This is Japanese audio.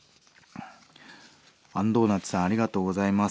あんドーナツさんありがとうございます。